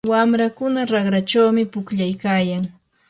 wamrakuna raqrachawmi pukllaykayan.